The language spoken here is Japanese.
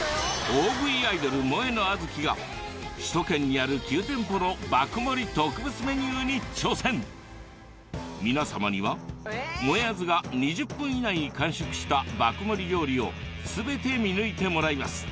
大食いアイドルもえのあずきが首都圏にある皆さまにはもえあずが２０分以内に完食した爆盛り料理を全て見抜いてもらいます。